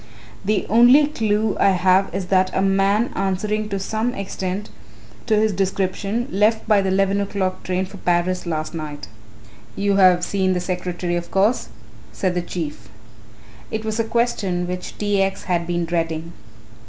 "The only clue I have is that a man answering to some extent to his description left by the eleven o'clock train for Paris last night." "You have seen the secretary of course," said the Chief. It was a question which T. X. had been dreading.